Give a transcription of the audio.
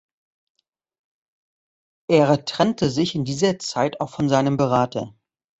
Er trennte sich in dieser Zeit auch von seinem Berater.